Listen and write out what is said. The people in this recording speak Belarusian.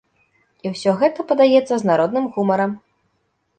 І ўсё гэта падаецца з народным гумарам.